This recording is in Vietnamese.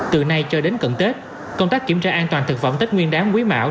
từ nay cho đến cận tết công tác kiểm tra an toàn thực phẩm tết nguyên đáng quý mão